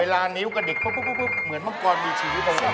เวลานิ้วกับเด็กเพิ่งเหมือนห้องกรมีชีวิตบางอย่าง